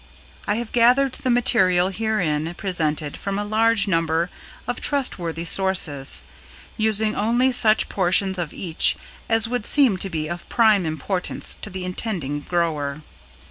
I have gathered the material herein presented from a large number of trustworthy sources, using only such portions of each as would seem to be of prime importance to the intending grower.